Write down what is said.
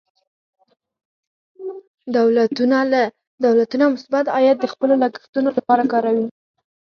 دولتونه مثبت عاید د خپلو لګښتونو لپاره کاروي.